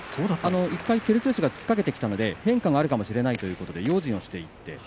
１回照強が、疲れてきたので、変化があるかもしれないということで用心した。